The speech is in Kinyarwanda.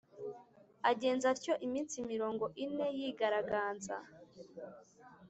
agenza atyo iminsi mirongo ine yigaraganza.